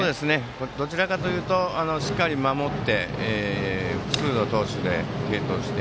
どちらかというとしっかり守って複数の投手で継投して。